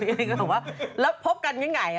เองก็บอกว่าแล้วพบกันยังไง